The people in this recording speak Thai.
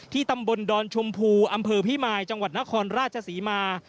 ตำบลดอนชมพูอำเภอพิมายจังหวัดนครราชศรีมา